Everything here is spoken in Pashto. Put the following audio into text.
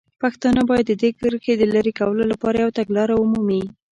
پښتانه باید د دې کرښې د لرې کولو لپاره یوه تګلاره ومومي.